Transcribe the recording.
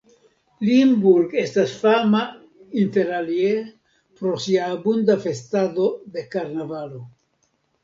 Limburg estas fama interalie pro sia abunda festado de karnavalo.